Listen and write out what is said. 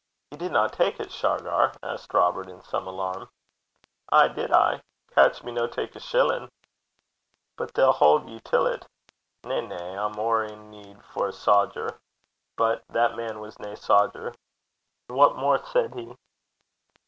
'Ye didna tak it, Shargar?' asked Robert in some alarm. 'Ay did I. Catch me no taking a shillin'!' 'But they'll haud ye till 't.' 'Na, na. I'm ower shochlin' (in kneed) for a sodger. But that man was nae sodger.' 'And what mair said he?'